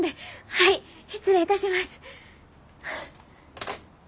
はい失礼いたします。